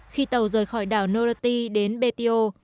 khi tàu rời khỏi đảo norroti đến betio